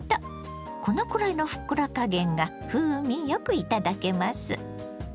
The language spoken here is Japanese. このくらいのふっくら加減が風味良くいただけます。